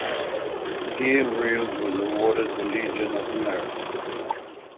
Gail Reals was awarded the Legion of Merit.